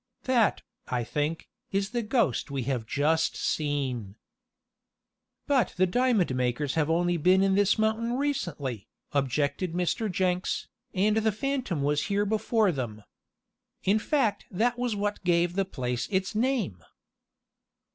That, I think, is the ghost we have just seen." "But the diamond makers have only been in this mountain recently," objected Mr. Jenks, "and the phantom was here before them. In fact, that was what gave the place its name."